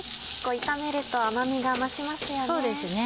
炒めると甘みが増しますよね。